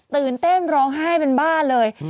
ตื่นเต้นร้องไห้เป็นบ้านเลย